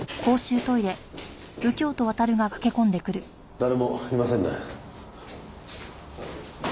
誰もいませんね。